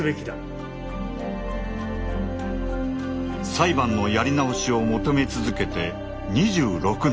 裁判のやり直しを求め続けて２６年。